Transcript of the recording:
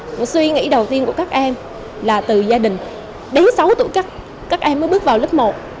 một suy nghĩ đầu tiên của các em là từ gia đình đến sáu tuổi các em mới bước vào lớp một